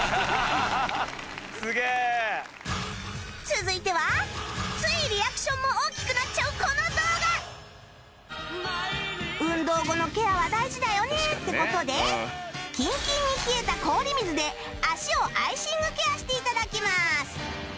続いてはついリアクションも大きくなっちゃうこの動画運動後のケアは大事だよねって事でキンキンに冷えた氷水で足をアイシングケアして頂きます